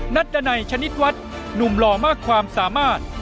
นัดดันัยชนิดวัดหนุ่มหล่อมากความสามารถ